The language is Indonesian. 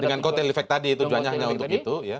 dengan kotel efek tadi tujuannya hanya untuk itu